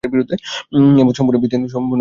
এ মত সম্পূর্ণ ভিত্তিহীন ও অমূলক।